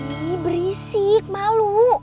eh berisik malu